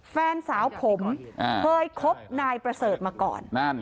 แฟนสาวผมเคยคบนายประเสริฐมาก่อน